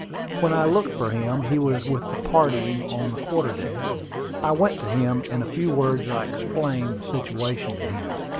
When I looked for him, he was with the party on the quarter deck. I went to him. In a few words I explained the situation to him.